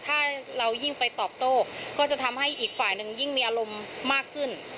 ถ้าเรายิ่งไปตอบโต้ก็จะทำให้อีกฝ่ายหนึ่งยิ่งมีอารมณ์มากขึ้น